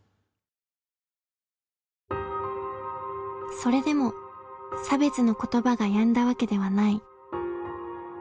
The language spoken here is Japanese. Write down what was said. それでも差別の言葉がやんだわけではない。